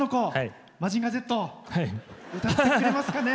「マジンガーＺ」歌ってくれますかね。